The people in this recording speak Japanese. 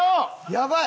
やばい！